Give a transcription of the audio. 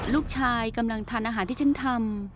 ลูกชายกำลังทานอาหารที่ฉันทำ